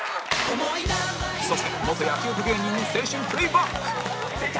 そして元野球部芸人の青春プレーバック！